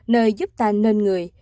nơi giúp tàn nền người